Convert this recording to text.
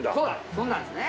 そうなんですね。